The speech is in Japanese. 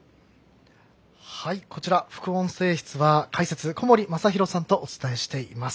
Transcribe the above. こちら、副音声室は解説、小森允紘さんとお伝えしています。